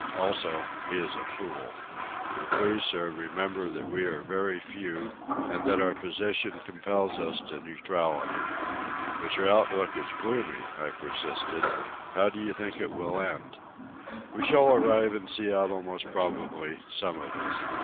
Also, he is a fool. And please, sir, remember that we are very few, and that our position compels us to neutrality." "But your outlook is gloomy," I persisted. "How do you think it will end?" "We shall arrive in Seattle most probably, some of us.